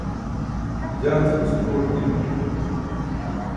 jaa ce guse kooṭ dimac̣i bi